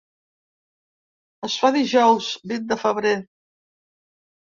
Es fa dijous, vint de febrer.